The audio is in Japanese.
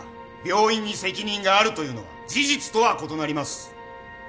病院に責任があるというのは事実とは異なります。